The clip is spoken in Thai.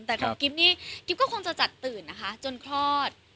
แต่ของกิ๊บนี่กิ๊บก็คงจะจัดตื่นนะคะจนคลอด